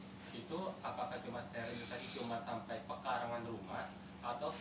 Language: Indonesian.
itu apakah cuma sterilisasi cuma sampai pekarangan rumah atau